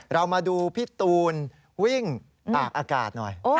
เรามาดูพี่ตูนวิ่งตากอากาศหน่อย